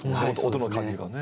音の感じがね。